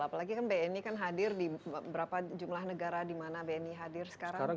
apalagi kan bni kan hadir di berapa jumlah negara di mana bni hadir sekarang